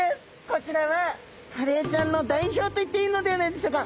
こちらはカレイちゃんの代表といっていいのではないでしょうか？